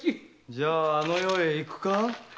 じゃああの世へ行くか？